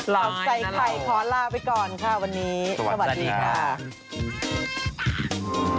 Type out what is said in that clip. ข่าวใส่ไข่ขอลาไปก่อนค่ะวันนี้สวัสดีค่ะ